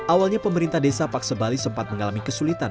awalnya pemerintah desa paksebali sempat mengalami kesulitan